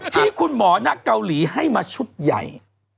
ที่คุณหมอณเกาหลีให้มาชุดใหญ่